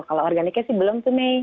kalau organiknya sih belum tuh me